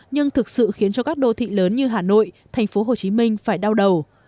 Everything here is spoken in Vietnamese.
nhưng thực sự khiến cho các đô thị lớn như hà nội thành phố hồ chí minh phải đau đầu